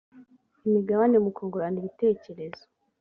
imigabane mu kungurana ibitekerezo